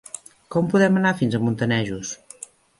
Com podem anar fins a Montanejos?